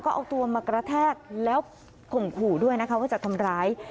ก็เอาตัวมากระแทกแล้วข่มขู่ด้วยนะคะว่าจะทำร้าย